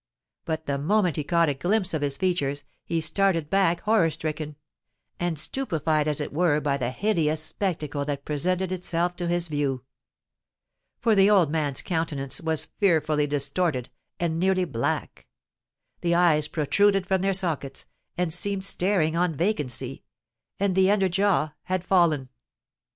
But the moment he caught a glimpse of his features, he started back horror stricken,—and stupefied as it were by the hideous spectacle that presented itself to his view. For the old man's countenance was fearfully distorted, and nearly black—the eyes protruded from their sockets, and seemed staring on vacancy—and the under jaw had fallen.